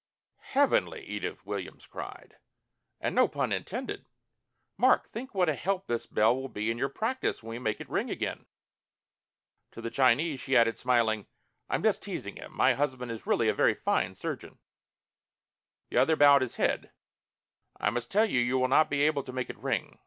"Heavenly!" Edith Williams cried. "And no pun intended. Mark, think what a help this bell will be in your practise when we make it ring again!" To the Chinese she added, smiling: "I'm just teasing him. My husband is really a very fine surgeon." The other bowed his head. "I must tell you," he said, "you will not be able to make it ring.